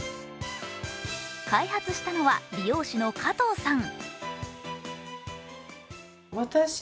開発したのは美容師の加藤さん。